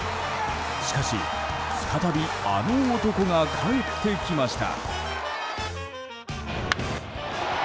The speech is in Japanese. しかし再びあの男が帰ってきました。